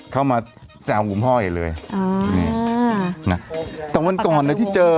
เข้ามาแซวคุณพ่อใหญ่เลยอ่านี่นะแต่วันก่อนเนี่ยที่เจอ